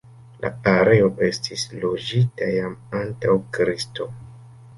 La areo estis loĝita jam antaŭ Kristo.